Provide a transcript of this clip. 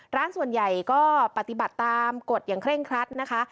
ร้านส่วนใหญ่ก็ปฏิบัติตามกฎอย่างเคร่งครัดนะคะ